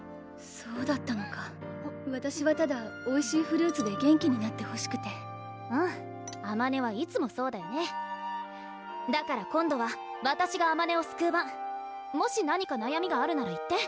そうだったのかわたしはただおいしいフルーツで元気になってほしくてうんあまねはいつもそうだよねだから今度はわたしがあまねをすくう番もし何かなやみがあるなら言って？